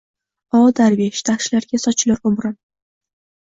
o, darvesh dashtlarga sochilur umrim